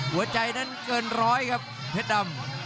หัวใจนั้นเกินร้อยครับเพชรดำ